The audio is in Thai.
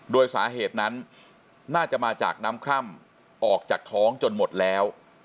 โดยสาเหตุนั้นน่าจะมาจากน้ำคร่ำออกจากท้องจนหมดแล้ว